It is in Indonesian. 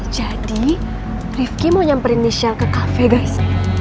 jadi rifki mau nyamperin nisha ke kafe guys